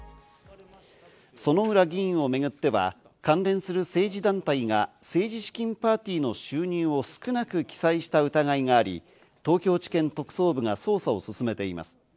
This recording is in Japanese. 薗浦議員をめぐっては、関連する政治団体が政治資金パーティーの収入を少なく記載した疑いがあり、東京地検特捜部が捜査を進めています。